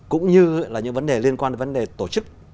cũng như là những vấn đề liên quan đến vấn đề tổ chức